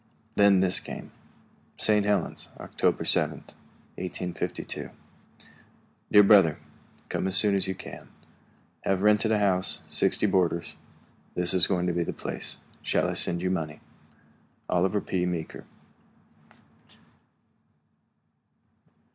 Then came this message: St. Helens, October 7th, 1852. Dear Brother: Come as soon as you can. Have rented a house, sixty boarders. This is going to be the place. Shall I send you money? OLIVER P. MEEKER.